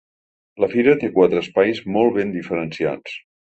La fira té quatre espais molt ben diferenciats.